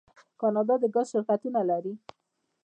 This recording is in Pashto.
کاناډا د ګاز شرکتونه لري.